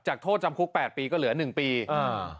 โทษจำคุกแปดปีก็เหลือหนึ่งปีอ่า